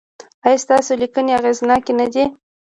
ایا ستاسو لیکنې اغیزناکې نه دي؟